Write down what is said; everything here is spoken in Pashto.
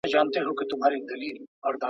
د انسان شتمني باید په حلاله لاره ترلاسه سي.